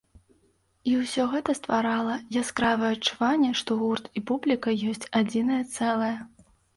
І ўсе гэта стварала яскравае адчуванне, што гурт і публіка ёсць адзінае цэлае.